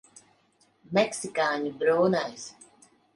Meksikāņu brūnais.